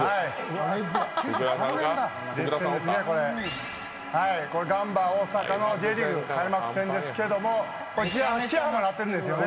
これ、ガンバ大阪のＪリーグ開幕戦ですけれどチアホーンが鳴っているんですよね。